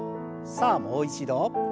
さあもう一度。